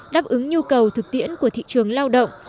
đáp ứng nhu cầu thực tiễn của thị trường lao động